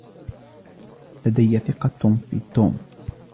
لديها ثقة في توم.